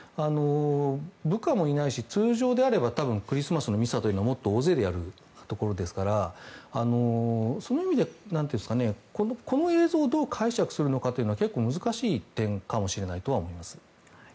部下もいないし、通常であれば多分クリスマスのミサというのは大勢でやるところですからその意味でこの映像をどう解釈するのかは結構、難しい点かもしれないとは思います。